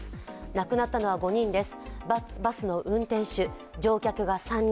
亡くなったのは５人です。